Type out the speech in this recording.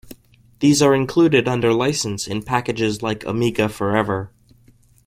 These are included under license in packages like Amiga Forever.